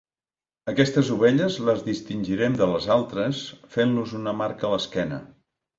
Aquestes ovelles, les distingirem de les altres fent-los una marca a l'esquena.